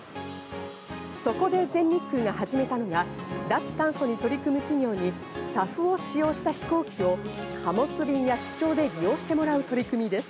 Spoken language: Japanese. そこで全日空が始めたのが脱炭素に取り組む企業にＳＡＦを使用した飛行機を貨物便や出張で利用してもらう取り組みです。